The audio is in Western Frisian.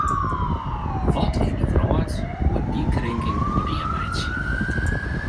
Wat yn de wrâld koe dy krinking ûngedien meitsje?